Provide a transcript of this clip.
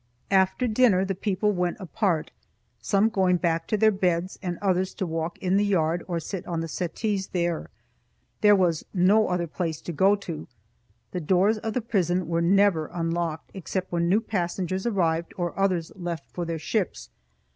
After dinner, the people went apart, some going back to their beds and others to walk in the yard or sit on the settees there. There was no other place to go to. The doors of the prison were never unlocked except when new passengers arrived or others left for their ships.